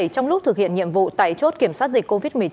trong lúc thực hiện nhiệm vụ tại chốt kiểm soát dịch covid một mươi chín